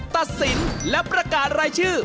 ตัดสินและประกาศรายชื่อ